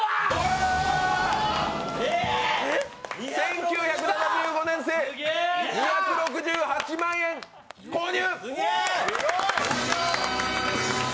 １９７５年製、２６８万円購入！